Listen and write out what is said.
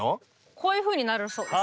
こういうふうになるそうです。